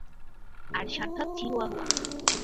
আর সাত ভাগ চিহুয়াহুয়া।